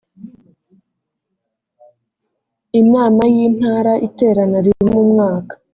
inama y intara iterana rimwe mu mwaka